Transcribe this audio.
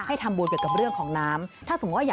ให้ทำบูรณ์เกี่ยวกับเรื่องของน้ำ